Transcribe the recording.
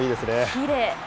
きれい。